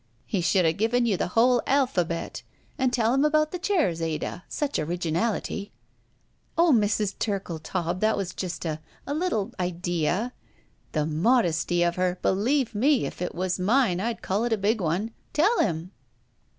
"He should have given you the whole alpha^ bet. And tell him about the chairs, Ada. Sudi originality." "Oh, Mrs. Turkletaub, that was just a — a little — idea—" "The modesty of her! Believe me, if it was mine, I'd call it a big one. Tellhim.